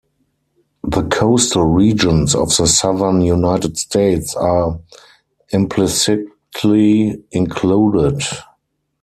The coastal regions of the southern United States are implicitly included.